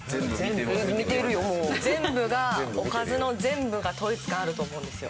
全部がおかずの全部が統一感あると思うんですよ。